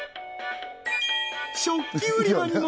食器売り場にも！